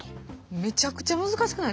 めちゃくちゃ難しくないですか？